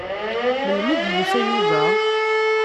Melmi i d-yusa Yuba?